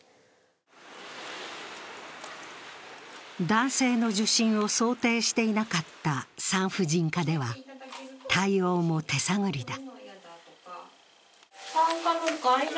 男性の受診を想定していなかった産婦人科では、対応も手探りだ。